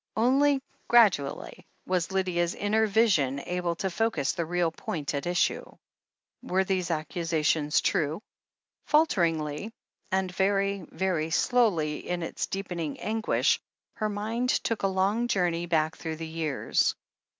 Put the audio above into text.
... Only gradually was Lydia's inner vision able to focus the real point at issue. Were these accusations true? Falteringly, and very, very slowly in its deepening anguish, her mind took a long journey back through the years.